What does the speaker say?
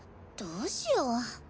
どうしよう。